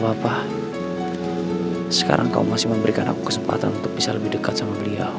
tapi sekarang kamu masih memberikan aku kesempatan untuk bisa lebih dekat sama bu dermatokon